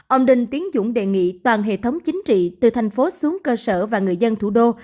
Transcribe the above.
ông đinh tiến dũng đề nghị toàn hệ thống chính trị từ thành phố xuống cơ sở và người dân thủ đô